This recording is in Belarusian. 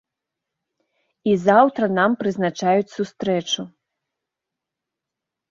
І заўтра нам прызначаюць сустрэчу.